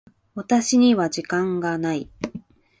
私には時間がない。